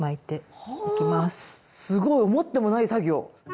すごい思ってもない作業！